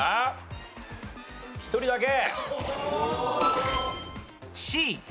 １人だけ。